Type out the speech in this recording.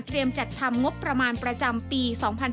เตรียมจัดทำงบประมาณประจำปี๒๕๖๐